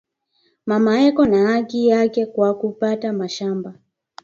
Mama eko na haki yake kwaku pata mashamba